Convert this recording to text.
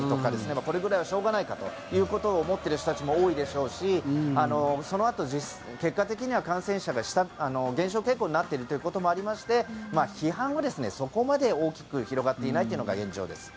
これぐらいはしょうがないかということを思っている人たちも多いでしょうしそのあと、結果的には感染者が減少傾向になっていることもありまして批判はそこまで大きくなっていないというのが現状です。